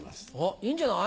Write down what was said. いいんじゃない。